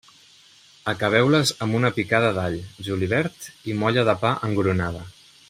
Acabeu-les amb una picada d'all, julivert i molla de pa engrunada.